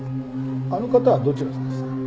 あの方はどちら様ですか？